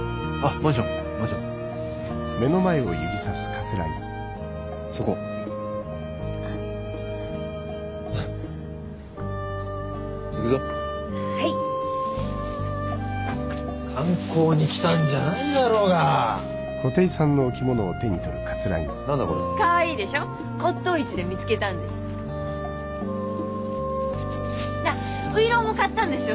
あっういろうも買ったんですよ